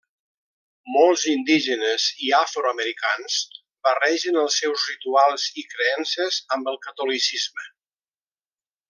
Molts indígenes i afroamericans, barregen els seus rituals i creences amb el catolicisme.